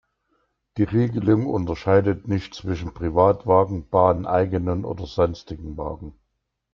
Die Regelung unterscheidet nicht zwischen Privatwagen, bahneigenen oder sonstigen Wagen.